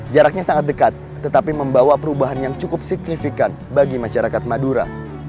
jaraknya sangat dekat tetapi membawa perubahan yang cukup signifikan bagi masyarakat madura